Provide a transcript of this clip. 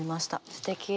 すてき。